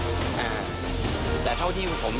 มันก็ยังอยากถามว่าทำไมต้องเป็นลูกของด้วย